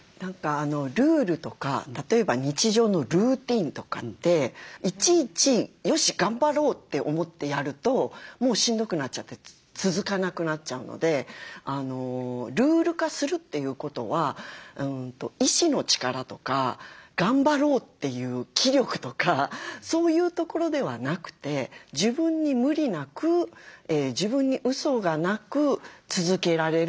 ルールとか例えば日常のルーティンとかっていちいち「よし頑張ろう」って思ってやるともうしんどくなっちゃって続かなくなっちゃうのでルール化するということは意志の力とか頑張ろうという気力とかそういうところではなくて自分に無理なく自分にうそがなく続けられることだと思うんですよ。